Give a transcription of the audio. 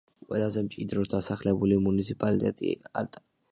ყველაზე მჭიდროდ დასახლებული მუნიციპალიტეტი ალტა.